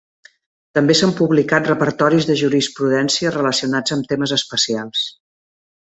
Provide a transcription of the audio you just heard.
També s'han publicat repertoris de jurisprudència relacionats amb temes especials.